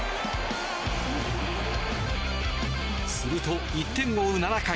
すると１点を追う７回。